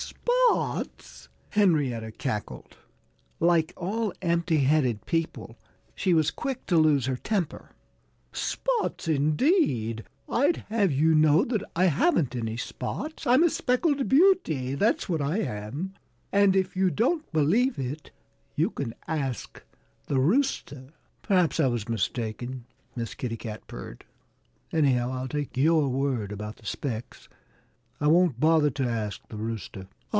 "Spots!" Henrietta cackled. Like all empty headed people, she was quick to lose her temper. "Spots indeed! I'd have you know that I haven't any spots. I'm a speckled beauty that's what I am. And if you don't believe it you can ask the Rooster." "Perhaps I was mistaken," Miss Kitty Cat purred. "Anyhow, I'll take your word about the Specks. I won't bother to ask the Rooster."